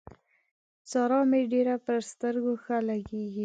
سارا مې ډېره پر سترګو ښه لګېږي.